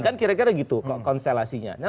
kan kira kira gitu kok konstelasinya